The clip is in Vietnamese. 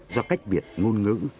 do cách biệt ngôn ngữ